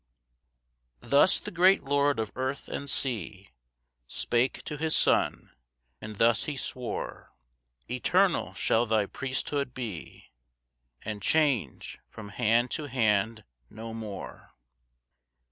1 Thus the great Lord of earth and sea Spake to his Son, and thus he swore; "Eternal shall thy priesthood be, "And change from hand to hand no more.